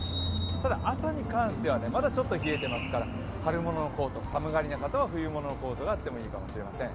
ただ朝に関してはまだちょっと冷えていますから春物のコート、寒がりな方は冬物のコートがあってもいいかもしれません。